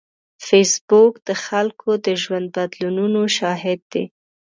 فېسبوک د خلکو د ژوند بدلونونو شاهد دی